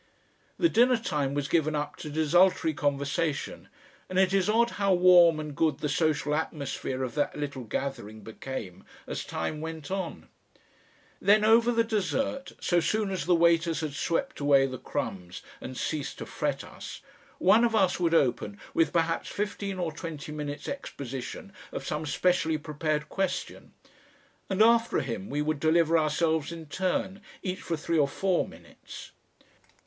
The dinner time was given up to desultory conversation, and it is odd how warm and good the social atmosphere of that little gathering became as time went on; then over the dessert, so soon as the waiters had swept away the crumbs and ceased to fret us, one of us would open with perhaps fifteen or twenty minutes' exposition of some specially prepared question, and after him we would deliver ourselves in turn, each for three or four minutes.